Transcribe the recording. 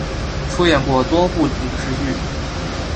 出演过多部影视剧。